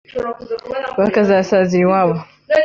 bakazasazira iwabo